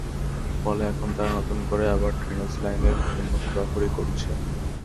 ফলে এখন তারা নতুন করে আবার ড্রেনেজ লাইনের জন্য খোঁড়াখুঁড়ি করছে।